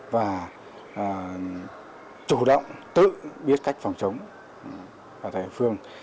và chủ động tự biết cách phòng chống và thể phương